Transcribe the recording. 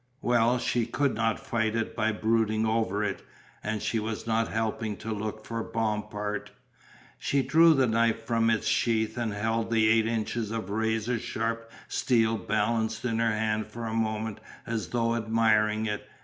Well, she could not fight it by brooding over it, and she was not helping to look for Bompard. She drew the knife from its sheath and held the eight inches of razor sharp steel balanced in her hand for a moment as though admiring it.